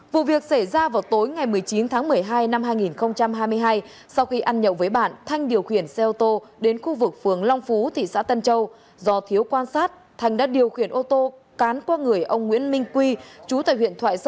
vụ việc xảy ra vào tối ngày một mươi chín tháng một mươi hai năm hai nghìn hai mươi hai sau khi ăn nhậu với bạn thanh điều khiển xe ô tô đến khu vực phường long phú thị xã tân châu do thiếu quan sát thanh đã điều khiển ô tô cán qua người ông nguyễn minh quy